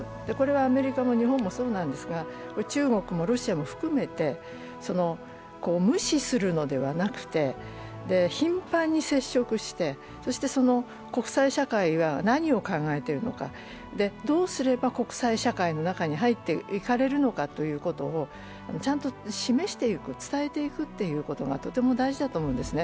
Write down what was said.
アメリカも日本もそうなんですが、中国もロシアも含めて、無視するのではなくて、頻繁に接触して、そして国際社会が何を考えているのか、どうすれば国際社会の中に入っていかれるのかということをちゃんと示していく、伝えていくことがとても大事だと思うんですね。